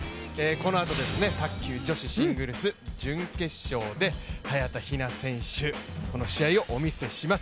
このあと、卓球女子シングルス準決勝で早田ひな選手、試合をお見せします